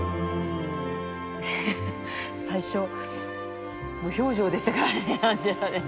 最初、無表情でしたからね、アンジェラね。